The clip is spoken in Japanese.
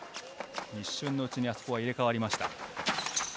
一瞬のうちに、あそこは入れ替わりました。